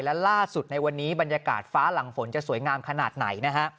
และล่าสุดในวันนี้บรรยากาศฟ้าหลังฝนจะสวยงามขนาดไหนนะฮะ